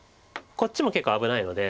こっちも結構危ないので。